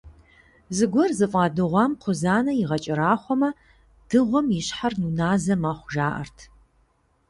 Зыгуэр зыфӏадыгъуам кхъузанэ игъэкӏэрахъуэмэ, дыгъуэм и щхьэр уназэ мэхъу, жаӏэрт.